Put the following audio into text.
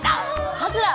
カズラー！